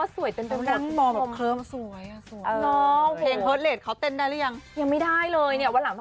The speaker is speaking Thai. สวยจังเลยอ่ะ